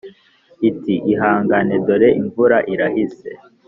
iti: “ihangane dore imvura irahise